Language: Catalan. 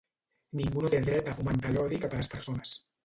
Ningú no té dret a fomentar l'odi cap a les persones.